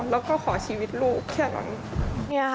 แล้วก็ขอชีวิตลูกแค่นั้น